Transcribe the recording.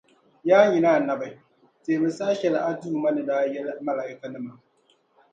Yaa nyini Annabi! Teemi saha shεli a Duuma ni daa yεli Malaaikanima.